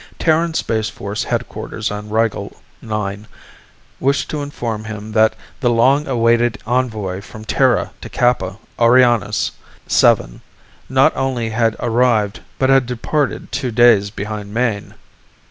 Terran Space Force headquarters on Rigel IX wished to inform him that the long awaited envoy from Terra to Kappa Orionis VII not only had arrived but had departed two days behind Mayne.